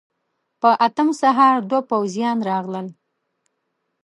په اتم سهار دوه پوځيان راغلل.